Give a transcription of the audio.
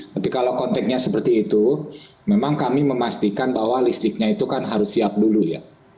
tapi kalau konteknya seperti itu memang kami memastikan bahwa listriknya itu kan harus siap dulu ya